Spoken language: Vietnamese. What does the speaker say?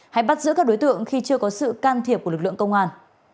hay bắt giữ các đối tượng khi chưa có sự can thiệp của lực lượng công an